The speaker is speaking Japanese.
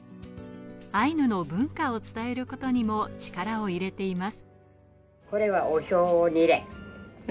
アイヌの文化を伝えることにも力を入れています。